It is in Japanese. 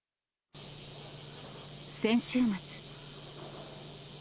先週末。